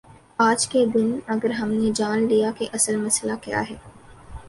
آج کے دن اگر ہم نے جان لیا کہ اصل مسئلہ کیا ہے۔